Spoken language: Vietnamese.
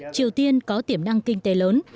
triều tiên có tiềm năng kinh tế lớn